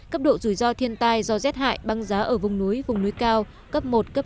cấp độ rủi ro thiên tai do rét hại băng giá ở vùng núi vùng núi cao cấp một cấp năm